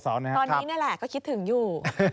ตอนนี้นี่แหละก็คิดถึงอยู่